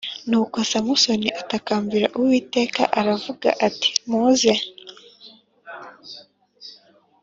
Nuko Samusoni atakambira Uwiteka aravuga ati muze